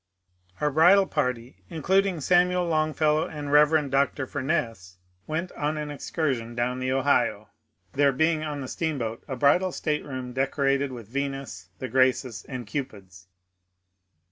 Our bridal party, including Samuel Longfellow and Bev. Dr. Furness, went on an excursion down the Ohio (there being on the steamboat a bridal stateroom decorated with Venus, the Graces, and Cupids).